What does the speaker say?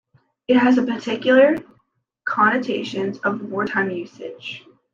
It has particular connotations of wartime usage.